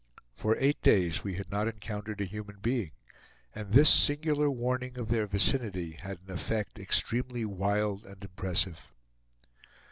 For eight days we had not encountered a human being, and this singular warning of their vicinity had an effect extremely wild and impressive.